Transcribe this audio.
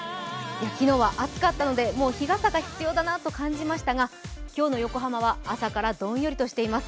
昨日は暑かったので日傘が必要だなと感じましたが今日の横浜は朝からどんよりしています。